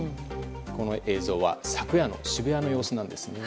この映像は昨夜の渋谷の様子です。